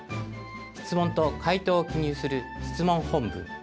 質問と回答を記入する「質問本文」。